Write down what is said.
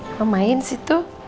apa main sih tuh